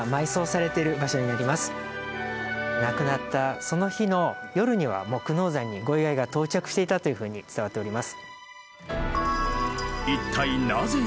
亡くなったその日の夜にはもう久能山にご遺骸が到着していたというふうに伝わっております。